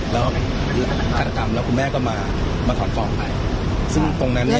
แล้วคุณแม่ก็มาถอดฟองไป